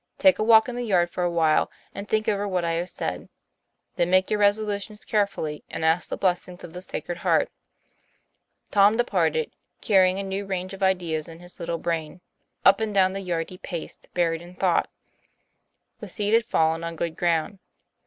Take a walk in the yard for a while, and think over what I have said. Then make your resolutions carefully, and ask the blessing of the Sacred Heart." Tom departed, carrying a new range of ideas in his little brain; up and down the yard he paced, buried in thought. The seed had fallen on good ground.